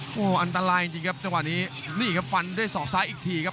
โอ้โหอันตรายจริงครับจังหวะนี้นี่ครับฟันด้วยศอกซ้ายอีกทีครับ